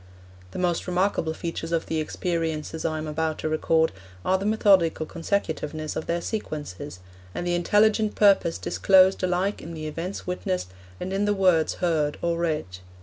... The most remarkable features of the experiences I am about to record are the methodical consecutiveness of their sequences, and the intelligent purpose disclosed alike in the events witnessed and in the words heard or read.